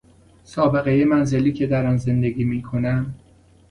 سابقهی منزلی که در آن زندگی میکنم